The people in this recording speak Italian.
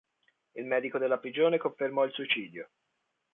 Il medico della prigione confermò il suicidio.